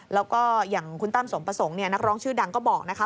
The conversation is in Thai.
แล้วก็อย่างคุณตั้มสมประสงค์เนี่ยนักร้องชื่อดังก็บอกนะคะ